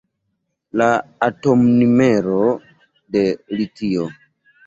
La atomnumero de litio.